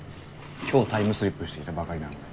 今日タイムスリップしてきたばかりなんで。